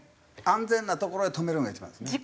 安全な所へ止めるのが一番ですね。